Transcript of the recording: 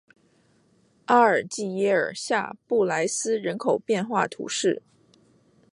阿尔济耶尔下布来斯人口变化图示